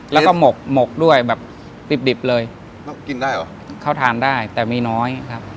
แล้วก็หมกหมกด้วยแบบดิบดิบเลยกินได้เหรอเขาทานได้แต่มีน้อยครับ